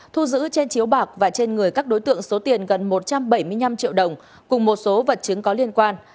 thu giữ trên chiếu bạc và trên người các đối tượng số tiền gần một trăm bảy mươi năm triệu đồng cùng một số vật chứng có liên quan